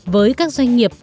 với các doanh nghiệp